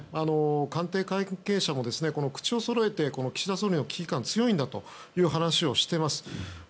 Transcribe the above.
官邸関係者も口をそろえて岸田総理の危機感、強いんだという話をしています。